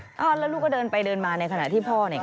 แล้วลูกก็เดินไปเดินมาในขณะที่พ่อเนี่ย